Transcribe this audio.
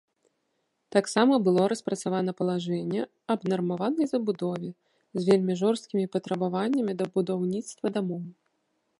Таксама было распрацавана палажэнне аб нармаванай забудове з вельмі жорсткімі патрабаваннямі да будаўніцтва дамоў.